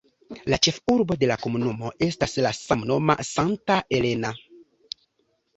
La ĉefurbo de la komunumo estas la samnoma Santa Elena.